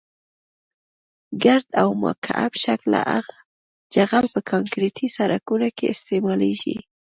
ګرد او مکعب شکله جغل په کانکریټي سرکونو کې استعمالیږي